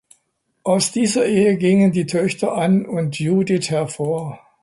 Aus dieser Ehe gingen die Töchter Ann und Judith hervor.